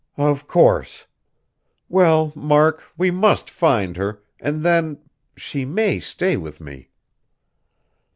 "Of course! Well, Mark, we must find her, and then she may stay with me!"